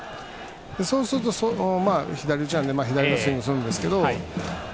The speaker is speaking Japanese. そうすると左打ちなので左でスイングするんですけど。